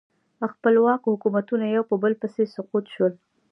خپلواک حکومتونه یو په بل پسې سقوط شول.